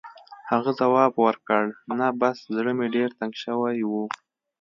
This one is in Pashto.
هغه ځواب ورکړ: «نه، بس زړه مې ډېر تنګ شوی و.